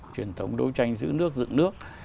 truyền thống đối tranh giữ nước dựng nước